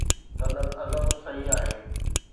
سندن عزم صحيح آهي.